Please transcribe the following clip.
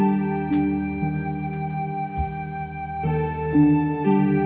seperti semua yang terjadi